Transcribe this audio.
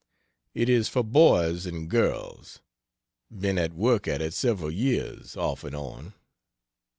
It is for boys and girls been at work at it several years, off and on.